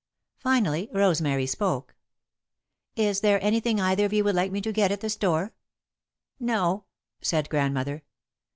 Finally, Rosemary spoke. "Is there anything either of you would like me to get at the store?" "No," said Grandmother.